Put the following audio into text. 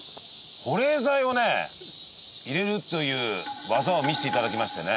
保冷剤をね入れるという技を見せて頂きましてね。